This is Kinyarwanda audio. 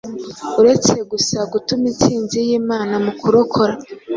uretse gusa gutuma insinzi y’Imana mu kurokora